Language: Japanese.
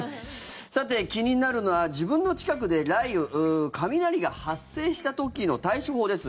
さて、気になるのは自分の近くで雷雨雷が発生した時の対処法です。